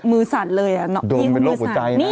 สั่นเลยอ่ะโดนเป็นโรคหัวใจนะ